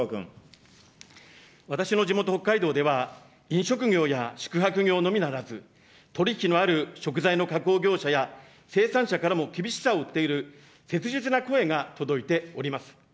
私の地元、北海道では、飲食業や宿泊業のみならず、取り引きのある食材の加工業者や生産者からも厳しさを訴える切実な声が届いております。